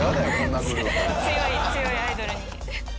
強いアイドルに。